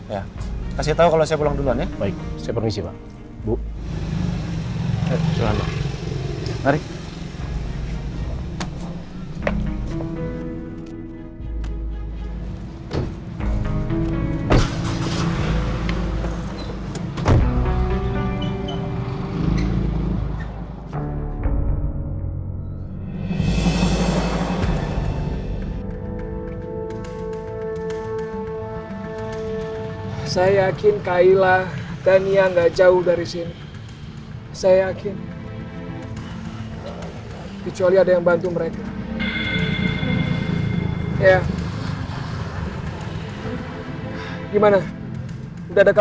ya kasih tau kalau saya pulang duluan ya